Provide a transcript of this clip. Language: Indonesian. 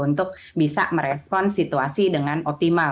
untuk bisa merespon situasi dengan optimal